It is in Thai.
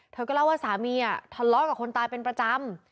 เธอก็เล่าว่าสามีทะเลาะกับคนตายเป็นประจำ